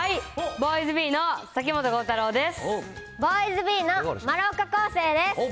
ボーイズビーの丸岡晃聖です。